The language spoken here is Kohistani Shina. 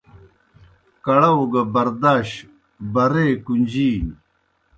کڑاؤ گہ برداش بریئے کُݩجینیْ